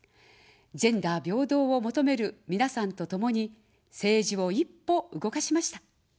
ジェンダー平等を求めるみなさんとともに政治を一歩動かしました。